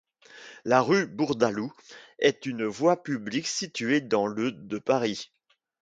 La rue Bourdaloue est une voie publique située dans le de Paris.